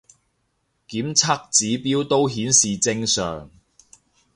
監測指標都顯示正常